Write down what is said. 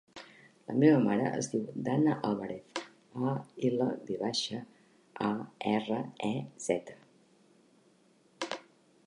La meva mare es diu Danna Alvarez: a, ela, ve baixa, a, erra, e, zeta.